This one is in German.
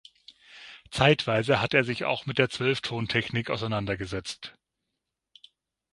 Zeitweise hat er sich auch mit der Zwölftontechnik auseinandergesetzt.